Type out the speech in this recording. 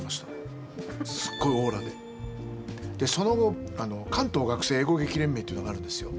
で、その後関東学生英語劇連盟っていうのがあるんですよ。